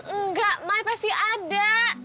enggak mai pasti ada